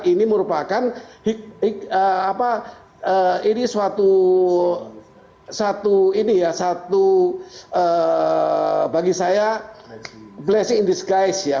ini merupakan satu ini ya satu bagi saya blessing in disguise ya